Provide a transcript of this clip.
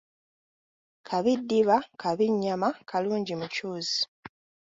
Kabi ddiba kabi nnyama kalungi mucuuzi.